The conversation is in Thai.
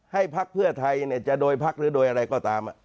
พักเพื่อไทยจะโดยพักหรือโดยอะไรก็ตาม